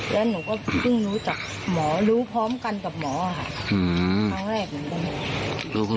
แล้วหนูก็เพิ่งรู้จักหมอรู้พร้อมกันกับหมอค่ะครั้งแรกเหมือนกัน